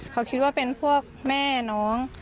เขาคิดว่าเป็นพวกแม่น้อง